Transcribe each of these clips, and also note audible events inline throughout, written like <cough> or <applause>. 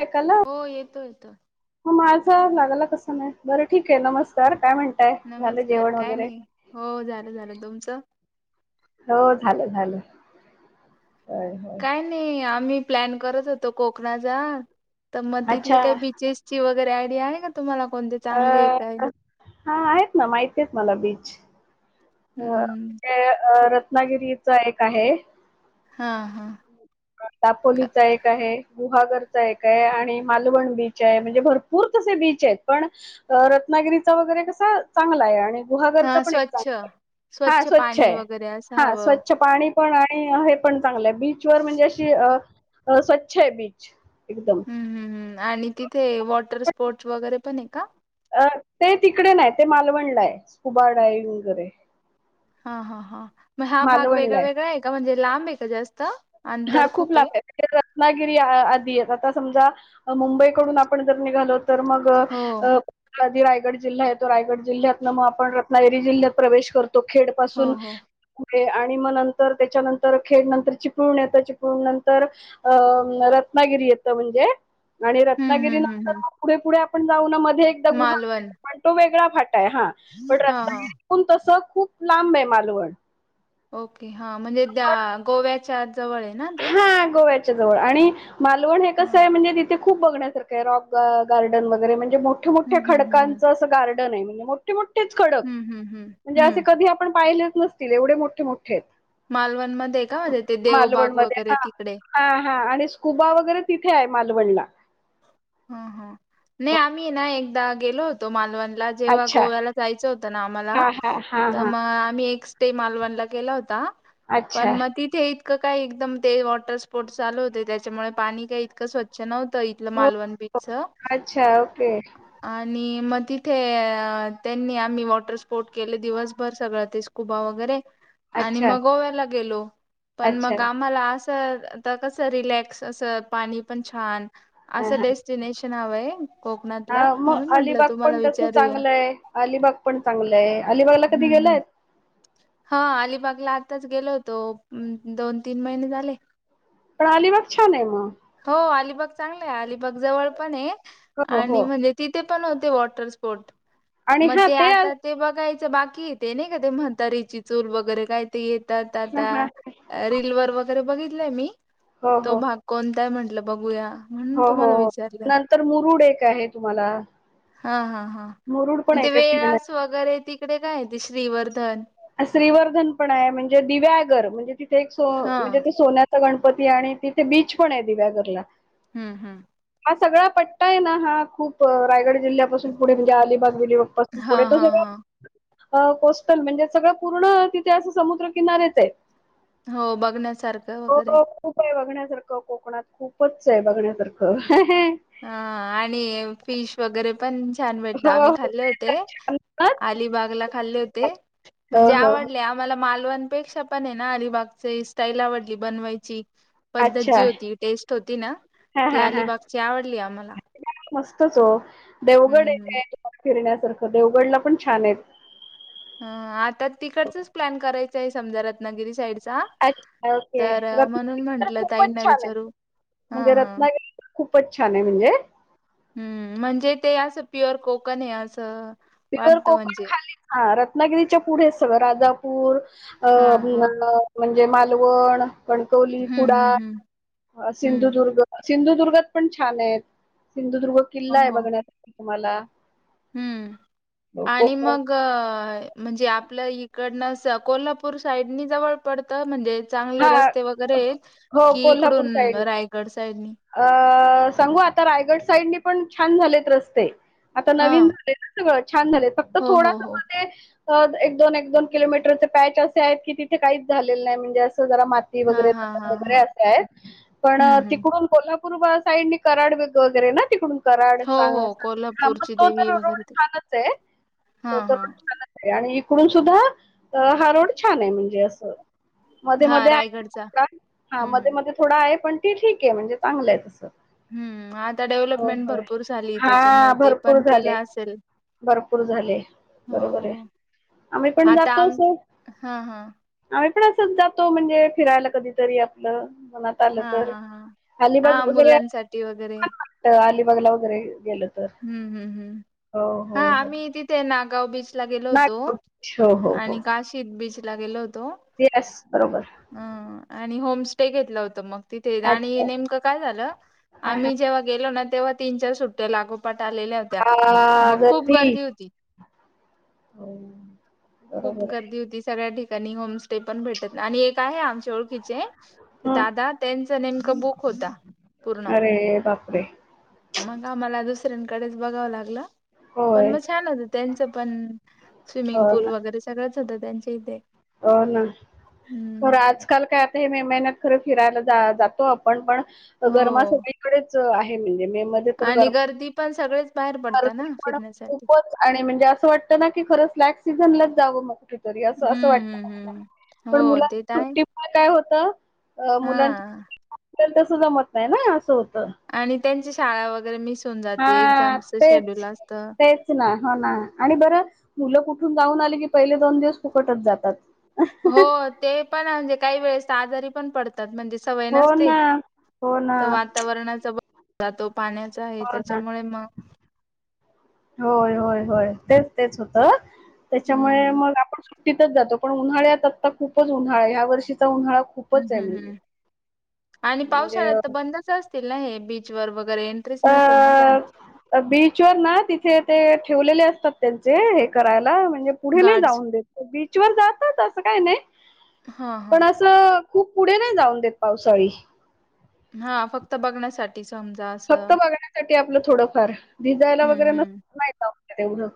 काय खाल्लं? हो येतो येतो. मगं माझ लागाला कसं नाही बरं ठीक आहे नमस्कार काय म्हणत? नमस्कार! काय नाही हो झालं झालं, तुमचं? हो झालं झालं होय होय. काय आम्ही प्लॅन करत होतो कोकणाचा तर मग तिथले अच्छा काही बी जचेस ची वगैरे आयडिया आहे का तुम्हाला कोणते चांगले आहे अ, काय. हा आहेत ना माहिती आहेत मला बीच. हम्म अ अ कु- रत्नागिरीच एक आहे. आ हा! का- दापोलीचा एक आहे, गुहागरचा एक आहे आणि मालवण बीच आहे म्हणजे भरपूर पूर तसे बीच आहेत पण रत्नागिरीचा वगैरे कसा चांगला आहे आणि गुहागरच हा पण एक स्वच्छ चांगलं आहे, हा स्वच्छ पाणी आहे, वगैरे असं हा हवं स्वच्छ पाणी पण आणि हे पण चांगलय बीचवर म्हणजे अशी स्वच्छ आहे बीच एकदम हम्म हम्म हम्म आणि तिथे वॉटर स्पोर्टस वगैरे पण आहे का? अ ते तिकडे न्हाय ते मालवणला आहे स्कुबा डायविंग वगैरे हा हा हा मग हा भाग वेगळा वेगळा आहे का म्हणजे लांब आहे का जास्त. हा खूप लांब आहे. रत्नागिरी आधी आहेत आता समजा मुंबईकडून आपण जर निघालो तर मग हो अ मधी रायगड जिल्हा येतो, रायगड जिल्ह्यात ना मग आपण रत्नागिरी जिल्ह्यात प्रवेश करतो. तो खेड हो पासून हो पुढे आणि मग नंतर त्याच्यानंतर खेड नंतर चिप ळून येत चिपळूण नंतर अ रत्नागिरी येतं म्हणजे आणि हम्म रत्नागिरी हम्म हम्म नंतर हम्म पुढे पुढे आपण जाऊ ना मध्ये एकदा मालवण गुहागर पण तो वेगळा फाटा आहे हा पण हा हा रत्नागिरीतून तसं खूप लांब आहे मालवण. ओके हा म्हणजे त्या गोव्याच्या जवळ आहे ना ते. आ गोव्याच्या जवळ आणि मालवण हे हा कस आहे म्हणजे ते खूप बघण्यासारखे आहे रॉक गार्ड गार्डन वगैरे म्हणजे मोठ्या हम्म मोठ्या हम्म हम्म खडकांचं असं गार्डन आहे म्हणजे मो मोठे मोठेच खडक हम्म हम्म हम्म हम्म म्हणजे असे हम्म कधी आपण पाहिलेच नसतील एवढे मोठे मोठे आहेत. मालवणमध्ये हाय का ते देवबाग मालवणमध्ये वगैरे तिकडे. हा हा आणि स्कुबा वगैरे तिथे आहे मालवणला. हो हो नाही आम्ही ना एकदा गेलो होतो मालवण ला जेव्हा अच्छा. गोव्याला जायच होत ना आम्हाला हां, हां, हां, तर हां. मगं आम्ही एक ते मालवणला गेला होता अच्छा. पण मग तिथे इतकं काही एकदम ते वॉटर स्पोर्टस चालू होते त्याच्यामुळे पाणी काही इतकं स्वच्छ नव्हतं इथलं हो, मालवण बीचचं अच्छा, ओके! आणि मग तिथे त्यांनी आम्ही वॉटर स्पोर्ट केले दिवसभर सगळ तेच स्कुबा वगैरे आणि अच्छा, मग गोव्याला गेलो पण अच्छा. मग आम्हाला असं तर कस रिलेक्स अस पाणी पण छान अस देस डेस्टिनेशन हवय. हा मग अलिबाग पण तस विचारूया. चांगलं आहे, अलिबाग पण चांगलं आहे, अलिबागला कधी हम्म हम्म गेलायत? हा अलिबागला आताच गेलो होतो दोन तीन महिने झाले. पण अलिबाग छान आहे मग. हो अलिबाग चांगलं आहे अलिबाग जवळ पण आहे हो, आणि हो. म्हणजे तिथे पण होते वॉटर स्पोर्ट, आणि मग हां, ते हां, आता ते बघायचं बाकी येते नाही का ते म्हतारीची चूर वगैरे काय ते येतात आता हां. रीलवर वगैरे बघितलंय मी हो, तो हो. भाग कोणताय म्हंटलं बघूया. म्हणून हो हो, तुम्हाला विचारलं नंतर मुरुड एक आहे तुम्हाला. आ हा हा मुरुड पण आहे ते का वेळास फिरण्याचं? वगैरे तिकडे काय आहे ते श्रीवर्धन? श्रीवर्धन पण आहे म्हणजे दिव्यागर म्हणजे तिथे एक सो हा म्हणजे ते सोन्या चा गणपती आणि तिथे बीच पण आहे दिव्यागरला. हम्म हा! हा सगळा पट्टा आहे ना हा खूप रायगड जिल्ह्यापासून पुढे म्हणजे अलिबाग बिलिबाग पासून हा पुढे तो हा हा सगळा कोस्टल म्हणजेच सगळं पूर्ण तिथे असं समुद्र किनारीचाय. हो बघण्यासार हो खूप हाय बघण्यासारखं कोकणात खूपचय बघण्यासारखं हा आणि फिश वगरे पण छान भेटत हो आम्ही हो खाल्ले होते. आलिबाग खाल्ले होते हो म्हणजे हो आवड ले आम्हाला मालवनपेक्षा पण हेना अलिबागची स्टाईल आवडली बनवायची. पद्धत अच्छा जी होती, टेस्ट होती ना हा ती हा हा अलीबागची आवडली आम्हाला. मस्तच हो देवगड हम्म हम्म येथ्य फिरण्यासारखं देवगडला पण छान हायत. हं आता तिकडचच प्लॅन करायचाय समजा रत्नागिरी साईड अच्छा ओके रत्नागिरी तर म्हंटलं खूपच ताईंना छानाय विचारू हा म्हणजे हा रत्नागिरी खूपच छानाय म्हणजे- हम्म म्हणजे ते असं प्युअर कोकणय आसं प्यूअर कोकण खालीच हा रत्नागिरीच्या पुढचे सगळं राजापूर हा अं हा <unintelligible> म्हणजे मालवण, कणकवली, हम्म हम्म कुडाळ हम्म आ हम्म सिंधुदुर्ग सिंधुदुर्गात पण छानाय सिंधुदुर्ग हो किल्लाय हो बघण्यासाठी तुम्हाला हम्म आणि कोकण मग ये म्हणजे आपल्या इकडनं स कोल्हापूर साईडनी जवळ पडतं म्हणजे चांगले हा रस्ते वगैरे आहेत हो कि कोल्हापूर इकडून साईड रायगड साईडनी अ सांगू आता रायगड साईडने पण छान झालेत रस्ते आता हा नवीन झाले सगळं छान झालेत फक्त हो हो थोडास हो मध्ये सहज एक दोन एक दोन किलोमीटरचे पॅच असे आहेत की तिथे काहीच झालेले नाइ म्हणजे आस जरा मा <unintelligible> हा हा हा हा असे आहेत पण हम्म हम्म तिकडून कोल्हापूर पुरबाळ साईडनी कराड वगरे ना तिकडून कराड हो सांग हो सांगली हा मग कोल्हापूरची तो देवी तर रोड वगैरे ते छानच हाय हा तो तर हा रोड आणि इकडून सुद्धा हा रोड छान हाय म्हणजे असं मध्ये हा मध्ये आहे रायगडचा थोडा हा हम्म मध्ये हम्म मध्ये थोडा आहे पण ते ठीकेय म्हणजे चांगलाय तसं. हम्म आता होय डेव्हलपमेंट होय भरपूर झाली तेच्यामुळे हा ते भरपूर पण केलं झाले आसल. भरपूर झाले बरोबर हाय आम्ही पण आता जातो आम ना. हा हा आम्ही पण आसच जातो म्हणजे फिरायला कधीतरी आपलं मनात झाल हा तर हा हा अलिबाग हा वगरे मुलांसाठी वगैरे छान वाटत अलिबागला वगरे गेलो हम्म हम्म हम्म हा हो आम्ही तिथे नागाव बीच ला गेलो होतो नागपूर हो आणि काशीद बीचला गेलो होतो. एस बरोबर. हम्म आणि होम स्टे घेतल होत म तिथे आणि अच्छा नेमकं काय झालं हा हा आम्ही जेव्हा गेलो ना तेव्हा तीन चार सुट्टया लागो पाठ आलेल्या होत्या म खूप गर्दी होती. हो खूप बरोबर आहे गर्दी होती सगळ्या ठिकाणी होम स्टे पण भेटत आणि एक आहे आम च्या ओळखीचे हं. दादा त्यांच नेमक बुक होता पूर्ण अरे बापरे म्हणून आम्हाला जसं <unintelligible> बघाव लागल. पण होय म छान होत त्यांच पण स्विमिंग हो पूल ना वगरे सगळंच होत तेच्या इथे. हो ना थोड हम्म आज काल <unintelligible> मे महिन्यात फिरायला जा जातो‌ आपण पण गरम आस हो काही कडेच आहे म्हणजे मे मध्ये तर आणि गरमा गर्दी पण. सगळेच बाहेर पडतात गर्दी ना पण फिरण्यासाठी. खूपच आणि म्हणजे असं वाटतं ना? की खरं फ्लॅट सीझनलाच जावं मग कुठेतरी असं असं हम्म वाटत- हम्म हम्म पण हो ते तर मुलांच्या आहे सुट्टीत काय होत? अ हा मुलांची- तर तसं जमत नाही ना असं होतं. आणि त्यांची शाळा वगैरे मिस होऊन जाते. एक्झामच शेड्यूल असत. हो ना हो ना. आणि बरं मुलं कुठून जाऊन आले की पहिले दोन दिवस फुकटच जातात. हो ते पण, म्हणजे काही वेळेस आजारी पण पडतात म्हणजे- सवय हो नसते. ना हो ना तर वातावरणा- जातो पाण्याचा आहे हो ना त्याच्यामुळे मग- होय होय होय. तेच तेच होतं त्याच्यामुळे हम्म. मग आपण- तिथंच जातो. पण उन्हाळ्यात आत्ता खूपच उन्हाळाये. या वर्षीचा उन्हाळा- हम् खूपच आहे हम् म्हणजे हम्. आणि म्हणजे पावसाळ्यात तर बंदच- असतील ना हे बीच वर वगैरे एंट्रीच नसेल ना जाण्यासाठी. बीचवर ना? तिथे ते ठेवलेले असतात त्यांचे हे करायला म्हणजे- पुढे नाही गार्ड्स जाऊन देत. बीचवर जातात असं काय नाही. हा हा. पण खूप पुढे नाही जाऊन देत पावसाळी. हा फक्त बघण्यासाठी. समजा. फक्त असं बघण्यासाठी आपलं थोडंफार. भिजायला वगैरे हम्म नस हम्म. नाही तेवढं.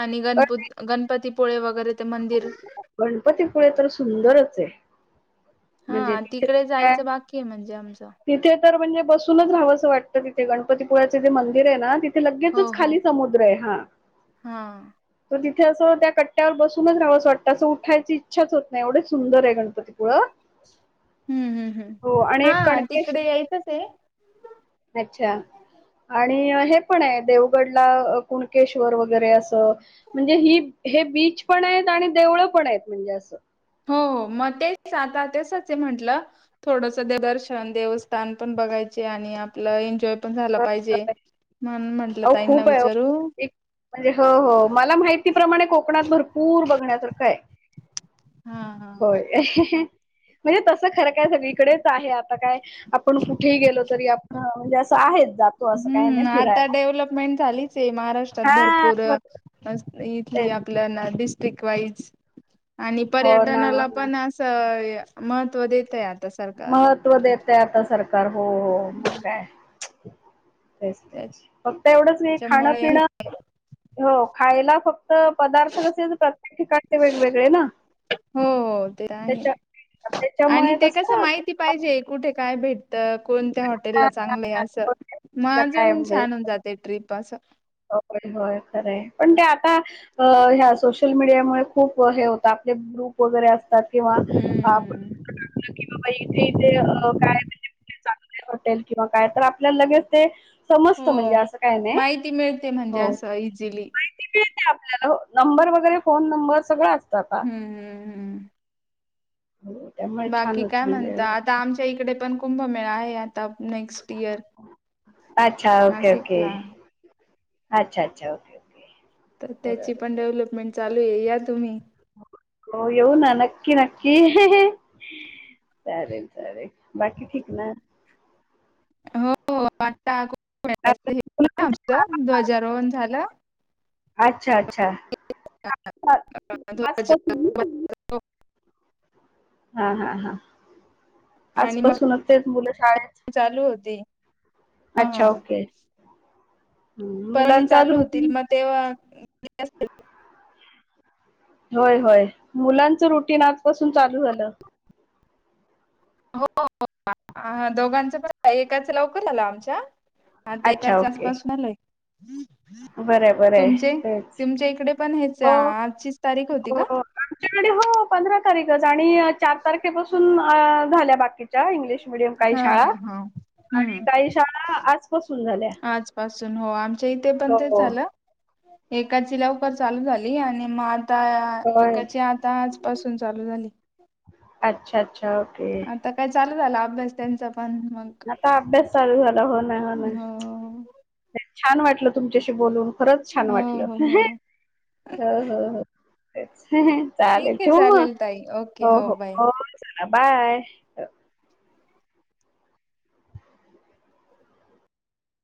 आणि गणपत गणपतीपुळे वगैरे ते मंदिर? गणपतीपुळे तर सुंदरच आहे. म्हणजे हा. तिथे तिकडे काय जायचं बाकी आहे म्हणजे आमचं. तिथे तर म्हणजे बसूनच राहावं असं वाटतं तिथे. गणपतीपुळ्याचे जे मंदिर आहे ना तथ- - थे हो लगेचच हो खाली समुद्र आहे. हा हा तर तिथे अस त्या कट्ट्यावर बस- सूनच राहावस वाटतं. असं उठायची इच्छाच होत नाही एवढे सुंदर आहे गणपतीपुळ. हम्म हम्म हम्. एक हा कणकेश तिकडे यायचंच आहे. अच्छा. आणि हे पण आहे देवगडला कुणकेश्वर वगैरे असं- म्हणजे ही हे बीच पण आहेत आणि देवळं पण आहेत म्हणजे असं. हो. मग तेच आता ते तसचए म्हंटलं. थोडसं दर्शन देवस्थान पण बघायचे आणि आपलं एन्जॉय- पण झाला पाहिजे. म्हणून म्हंटलं अहो ताईंना खूप आहे हो विचारू- एक म्हणजे, हो हो मला माहितीप्रमाणे कोकणात भरपूर बघण्यासारखं आहे. हा. हा होय. म्हणजे तस खरं काय सगळीकडेच आहे आता काय- आपण कुठेही गेलो तरी आपण म्हणजे असं आहेत. हम्म. आता डेव्हलपमेंट झालीच आहे महाराष्ट्रात हा भरपूर- बरोबर इथली तेच आपल्याला डिस्ट्रिक वाईज आणि हो ना हो पर्यटनाला ना पण अस- महत्त्व देत आहेत. महत्त्व देतय आता सरकार. हो हो मग काय? तेच तेच. फक्त एवढंच खाण त्याच्यामुळे पिण- हो खायला फक्त पदार्थ कसे प्रत्येक ठिकाणचे वेगवेगळे ना? हो ते आहे. त्याच्या आणि त्याच्यामुळे ते कसं ना, माहिती पाहिजे कुठे काय भेट- -त. कोणत्या हा, हॉटेलला हा, चांगलं आहे हा. असं? हो, मग त्याला अजून छान होवून काय जाते ट्रिप असं. होय होय खरे आहे पण ते आता अ ह्या सोशल मीडियामुळे खूप हे होत आपले ग्रुप वगैरे असतात किंवा आपण टाकलं कि बाबा इथे इथे काय म्हणजे चांगले होटेल किंवा काय तर आपल्याला लगेच ते समजत म्हणजे असं काय नाही ते म्हणजे असं इझिली ते मिळते आपल्याला नंबर वगैरे फोन नंबर सगळं असत आता हम् हम हम हो त्यामुळे बाकी छानच काय म्हणजे म्हणत आता आमच्या इकडे पण कुंभमेळा आहे यात नेक्स्ट इयर अच्छा ओके ओके नाशिकला अच्छा अच्छा ओके ओके तर त्याची पण बरोबर डेव्हलपमेंट चालू आहे या तुम्ही हो येऊ ना नक्की नक्की चालेल चालेल बाकी ठीक ना हो आता अच्छा आमच ध्वजारोहण झालं. अच्छा अच्छा <unintelligible> आजपासून हा हा हा आणि मग आजपासूनच तेच मुलं शाळेत चालू होती हा अच्छा हा. ओके परणी मुलांचा आज चालू होतील रुटीन मग तेव्हा होय होय मुलांचं रुटीन आजपासून चालू झालं. हो हो दोघांचं पण एकाच लवकर झालं आमच्या आता अच्छा एकाच ओके आसपास आलाय बरं बरं तुमचे तेच तुमच्या इकडे पण हेच हो. आजचीच तारीख होती हो का? आमच्याकडे हो पंधरा तारीखच आणि चार तारखेपासून झाल्या बाकीच्या इंग्लिश मडियम काही हा शाळा हा हा आणि हम्म. काही शाळा आजपासून झाल्या. पासून हो आमच्या इथे पण ते हो झालं. एकाची लवकर चालू झाली आणि मग आता होय एकाची आ आता आजपासून चालू झाली. अच्छा अच्छा ओके आता काय चालू झाला अभ्यास त्यांचा पण मग आता अभ्यास चालू झाला हो ना हो नाही छान वाटलं तुमच्याशी बोलून खरंच छान हो वाटलं. हो हो हो. हो हो तेच ठीक चालेल आहे ठेवू मग. चालेल ताई ओके हो हो बाय. हो चला बाय